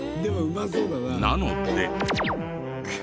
なので。